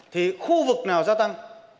thì khu vực nào gia tăng